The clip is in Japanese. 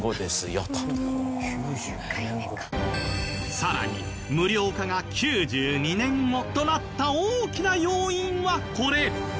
さらに無料化が９２年後となった大きな要因はこれ。